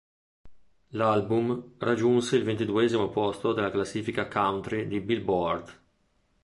L'album raggiunse il ventiduesimo posto della classifica country di Billboard.